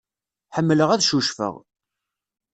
Ḥemmleɣ ad cucfeɣ.